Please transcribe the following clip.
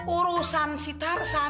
urusan si tarzan